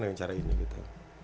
dengan cara ini gitu